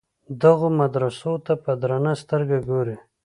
دغو مدرسو ته په درنه سترګه ګوري.